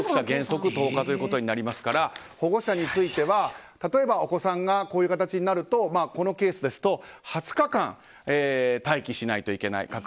原則１０日ということになりますから保護者については例えば、お子さんがこういう形になるとこのケースですと２０日間待機しないといけない。